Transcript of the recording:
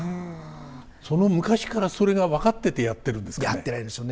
昔からそれが分かっててやってるんですかね。